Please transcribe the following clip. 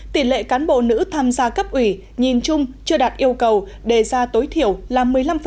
tỷ lệ cán bộ nữ tham gia cấp ủy nhìn chung chưa đạt yêu cầu đề ra tối thiểu là một mươi năm